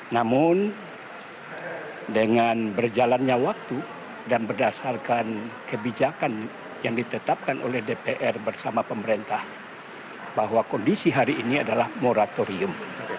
namun dengan berjalannya waktu dan berdasarkan kebijakan yang ditetapkan oleh dpr bersama pemerintah bahwa kondisi hari ini adalah moratorium